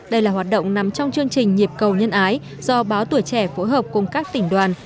đây là hoạt động nằm trong chương trình nhịp cầu nhân ái do báo tuổi trẻ phối hợp cùng các tỉnh đoàn